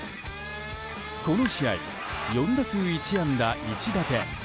この試合４打数１安打１打点。